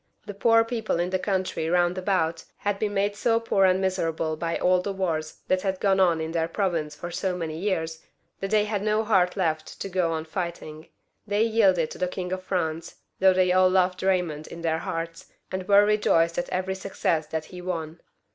The poor people of the country roimd about had been made so poor and miserable by all the wars that had gone on in their province for so many years, that they had no heart left to go on fighting. They yielded to the King of France, though they all loved Baymond in their hearts, and were rejoiced at every success that he won.